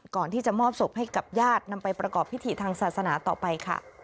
ก่อนที่จะมอบศพให้กับญาตินำไปประกอบพิธีทางศาสนาต่อไปค่ะ